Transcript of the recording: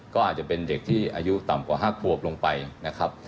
ก็อาจจะเป็นเด็กที่อายุต่ำกว่า๕ขวบลงไปนะครับ